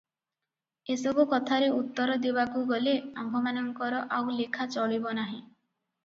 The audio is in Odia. ଏସବୁ କଥାରେ ଉତ୍ତର ଦେବାକୁ ଗଲେ ଆମ୍ଭମାନଙ୍କର ଆଉ ଲେଖା ଚଳିବ ନାହିଁ ।